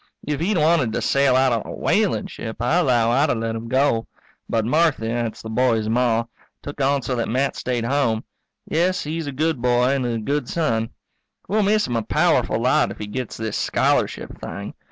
If he'd wanted to sail out on a whaling ship, I 'low I'd have let him go. But Marthy that's the boy's Ma took on so that Matt stayed home. Yes, he's a good boy and a good son. We'll miss him a powerful lot if he gets this scholarship thing.